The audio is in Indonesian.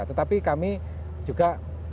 tetapi kami juga